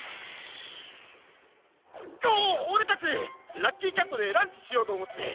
オオレたちラッキーキャットでランチしようとおもって。